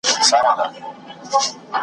له بېلتونه به ژوندون راته سور اور سي .